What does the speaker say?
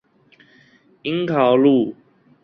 鶯桃路